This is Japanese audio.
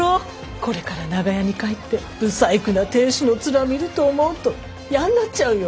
これから長屋に帰ってブサイクな亭主のツラ見ると思うといやんなっちゃうよ。